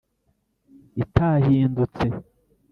itahindutse